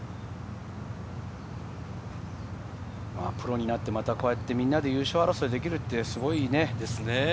プロになって、こうやってみんなで優勝争いできるってすごいですね。